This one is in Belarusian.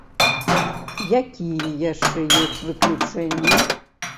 Якія яшчэ ёсць выключэнні?